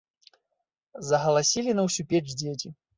Загаласілі на ўсю печ дзеці.